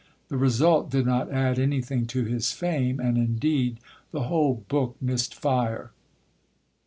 The result did not add anything to his fame, and, indeed, the whole book missed fire.